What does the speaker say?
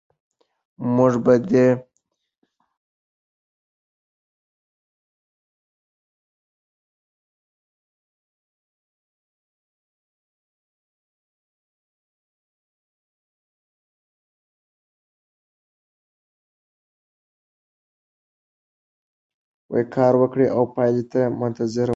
کار وکړئ او پایلې ته منتظر اوسئ.